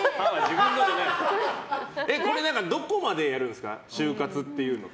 どこまでやるんですか終活っていうのって。